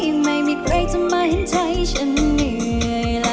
ไม่มีใครจะมาเห็นใจฉันเหนื่อยล่ะ